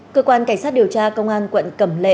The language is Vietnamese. cơ quan cảnh sát điều tra công an quận cẩm lệ